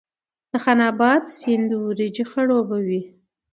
د خان اباد سیند وریجې خړوبوي